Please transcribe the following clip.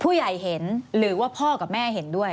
เห็นหรือว่าพ่อกับแม่เห็นด้วย